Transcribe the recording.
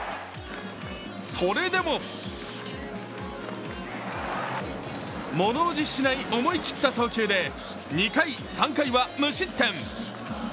それでも、物おじしない思い切った投球で、２回、３回は無失点。